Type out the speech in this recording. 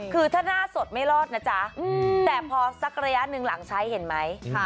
คือถ้าหน้าสดไม่รอดนะจ๊ะแต่พอสักระยะหนึ่งหลังใช้เห็นไหม